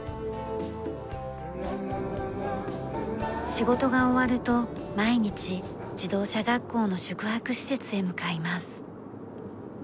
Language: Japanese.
仕事が終わると毎日自動車学校の宿泊施設へ向かいます。